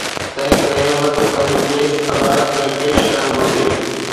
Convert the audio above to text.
تنهن ڪري هن کي پنهنجو ڪيس عدالت ۾ پيش ڪرڻ گهرجي.